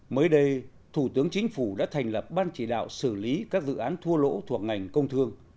mới đây thủ tướng chính phủ đã thành lập ban chỉ đạo xử lý các dự án thua lỗ thuộc ngành công thương